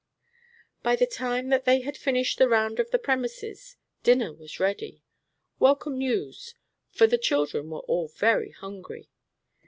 By the time that they had finished the round of the premises dinner was ready, welcome news; for the children were all very hungry.